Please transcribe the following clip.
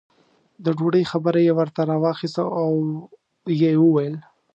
د ډوډۍ خبره یې ورته راواخسته او یې وویل.